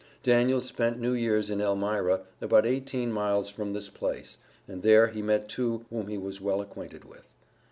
Daniel spent New Year's in Elmira, about 18 miles from this place, and there he met two whom he was well acquainted with.